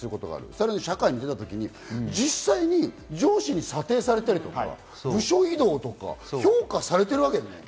さらに社会に出た時に実際、上司に査定されたりとか、部署異動とか、評価されてるわけよね。